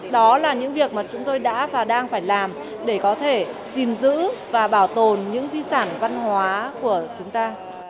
đó là những việc mà chúng tôi đã và đang phải làm để có thể gìn giữ và bảo tồn những di sản văn hóa của chúng ta